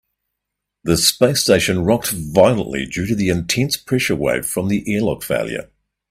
The space station rocked violently due to the intense pressure wave from the airlock failure.